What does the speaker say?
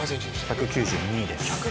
１９２です。